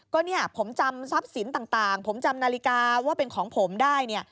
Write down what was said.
ก็เนี่ยผมจำทรัพย์สินต่างผมจำนาฬิกาว่าเป็นของผมได้เนี่ย